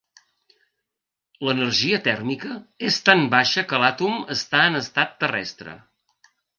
L'energia tèrmica és tan baixa que l'àtom està en estat terrestre.